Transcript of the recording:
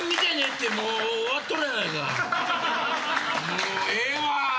もうええわ！